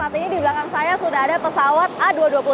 saat ini di belakang saya sudah ada pesawat a dua ratus enam puluh